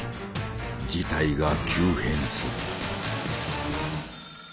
事態が急変する。